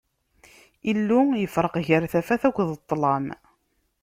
Illu yefṛeq gar tafat akked ṭṭlam.